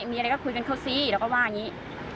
มีอะไรก็คุยกันเขาสิเราก็ว่าอย่างนี้